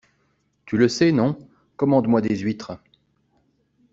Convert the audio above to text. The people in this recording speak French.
Tu le sais, non? Commande-moi des huîtres.